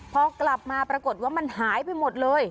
พอกลับมาปรากฏว่ามันหายไปหมดเลย